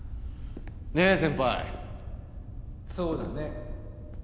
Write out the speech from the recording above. ねえ先輩そうだね